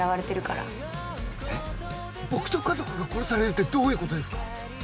僕と家族が殺されるってどういうことですか？